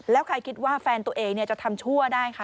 แล้วใครคิดว่าแฟนตัวเองจะทำชั่วได้คะ